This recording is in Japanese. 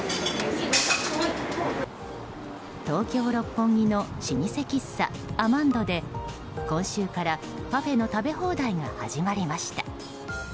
東京・六本木の老舗喫茶アマンドで今週からパフェの食べ放題が始まりました。